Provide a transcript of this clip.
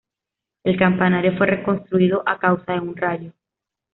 El campanario fue reconstruido a causa de un rayo.